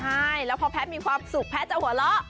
ใช่แล้วพอแพทย์มีความสุขแพทย์จะหัวเราะ